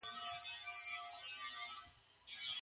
د کار په وخت کي کوم شیان اړین دي؟